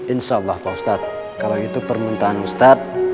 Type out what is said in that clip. insya allah pak ustadz kalau itu permintaan ustadz